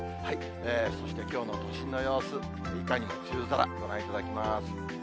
そしてきょうの都心の様子、いかにも梅雨空、ご覧いただきます。